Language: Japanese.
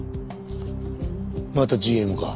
またＧＭか。